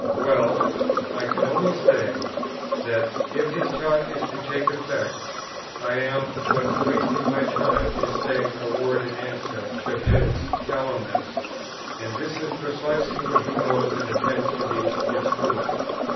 _"... Well, I can only say, that, if his taunt is to take effect, I am but wasting my time in saying a word in answer to his calumnies; and this is precisely what he knows and intends to be its fruit.